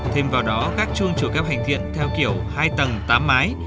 thêm vào đó gác chuông chùa keo hành thiện theo kiểu hai tầng tám mái